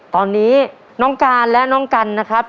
ตอนนี้น้องการและน้องกันนะครับ